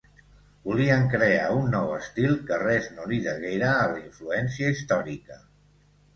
Volien crear un nou estil que res no li deguera a la influència històrica.